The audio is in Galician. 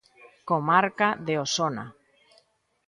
Comarca de Osona.